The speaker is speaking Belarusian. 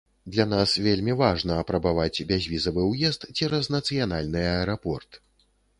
Для нас вельмі важна апрабаваць бязвізавы ўезд цераз нацыянальны аэрапорт.